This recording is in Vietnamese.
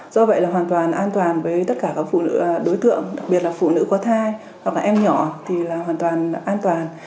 do vậy là hoàn toàn an toàn với tất cả các phụ nữ đối tượng đặc biệt là phụ nữ có thai hoặc là em nhỏ thì là hoàn toàn an toàn